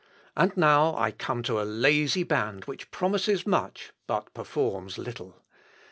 "And now I come to a lazy band which promises much, but performs little.